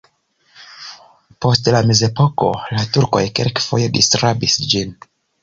Post la mezepoko la turkoj kelkfoje disrabis ĝin.